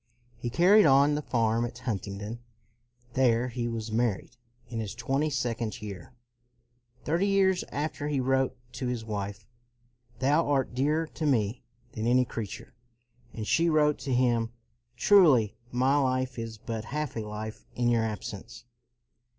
He carried on the farm at Huntingdon. There he was married, in his twenty second year. Thirty years after he wrote to his wife, " Thou art dearer to me than any creature"; and she wrote to him, " Truly my life is but half a life in your absence.''